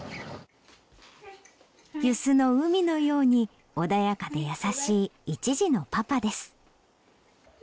遊子の海のように穏やかで優しい１児のパパです。